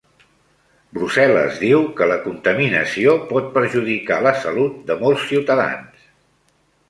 Brussel·les diu que la contaminació pot perjudicar la salut de molts ciutadans